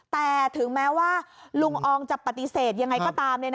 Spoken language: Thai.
แต่ถึงแม้ว่าลุงอองจะปฏิเสธยังไงก็ตาม